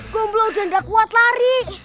gombrol dan gak kuat lari